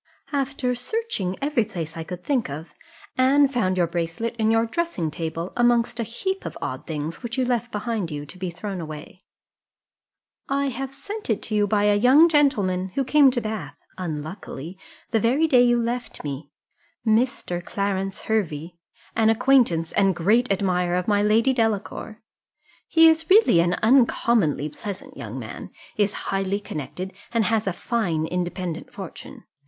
"After searching every place I could think of, Anne found your bracelet in your dressing table, amongst a heap of odd things, which you left behind you to be thrown away: I have sent it to you by a young gentleman, who came to Bath (unluckily) the very day you left me Mr. Clarence Hervey an acquaintance, and great admirer of my Lady Delacour. He is really an uncommonly pleasant young man, is highly connected, and has a fine independent fortune.